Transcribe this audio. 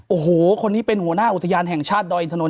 โอ้โหคนนี้เป็นหัวหน้าอุทยานแห่งชาติดอยอินทนนท